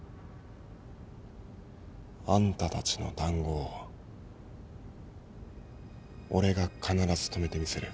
あんたたちの談合俺が必ず止めてみせる。